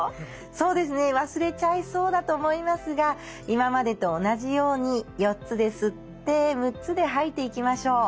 そうですね忘れちゃいそうだと思いますが今までと同じように４つで吸って６つで吐いていきましょう。